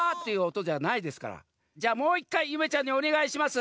じゃあもう１かいゆめちゃんにおねがいします。